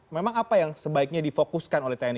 memang apa yang sebaiknya difokuskan oleh tni